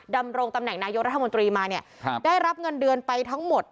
ดำรงตำแหน่งนายกรัฐมนตรีมาเนี่ยได้รับเงินเดือนไปทั้งหมด